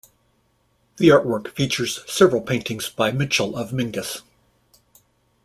The artwork features several paintings by Mitchell of Mingus.